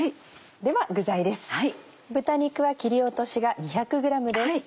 では具材です。